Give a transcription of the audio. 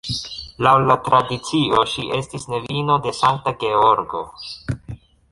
Laŭ la tradicio ŝi estis nevino de Sankta Georgo.